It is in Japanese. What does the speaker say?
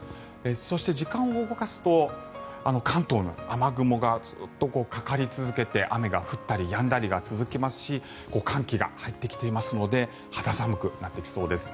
そして時間を動かすと関東に雨雲がずっとかかり続けて雨が降ったりやんだりが続きますし寒気が入ってきていますので肌寒くなってきそうです。